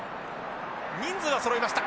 人数はそろいました。